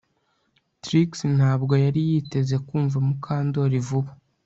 Trix ntabwo yari yiteze kumva Mukandoli vuba